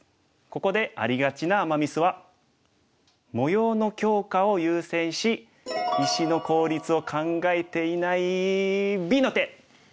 ここでありがちなアマ・ミスは模様の強化を優先し石の効率を考えていないＢの手！